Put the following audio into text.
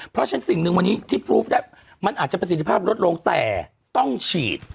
เพราะฉะนั้นสิ่งหนึ่งวันนี้ที่พลูฟได้มันอาจจะประสิทธิภาพลดลงแต่ต้องฉีด